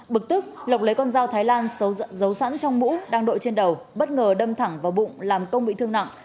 bực tức lộc lấy con dao thái lan giấu sẵn trong mũ đang đội trên đầu bất ngờ đâm thẳng vào bụng làm công bị thương nặng